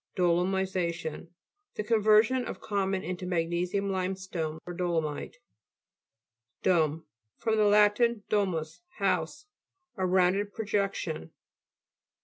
DOLGMISA'TIOJT The conversion of common into magnesian limestone or dolomite (p. 170). DOME fr. lat. domus, house, A rounded projection.